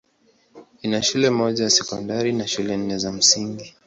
Ina shule moja ya sekondari na shule nne za msingi.